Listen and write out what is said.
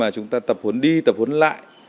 chúng ta tập huấn đi tập huấn lại